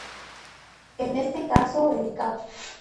En este caso el "cap.